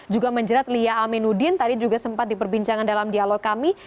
juga menjerat lia aminuddin tadi juga sempat diperbincangkan dalam dialog kami